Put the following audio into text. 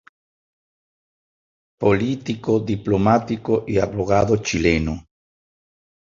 Político, diplomático y abogado chileno.